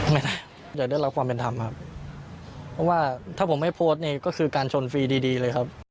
ไม่ได้อยากได้รับความเป็นธรรมครับเพราะว่าถ้าผมไม่โพสต์นี่ก็คือการชนฟรีดีดีเลยครับ